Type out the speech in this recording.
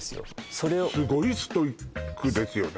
それをすごいストイックですよね？